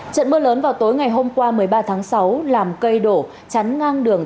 trận mưa lớn vào tối ngày hôm qua một mươi ba tháng sáu làm cây đổ chắn ngang đường